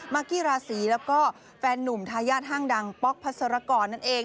กี้ราศีแล้วก็แฟนนุ่มทายาทห้างดังป๊อกพัสรกรนั่นเอง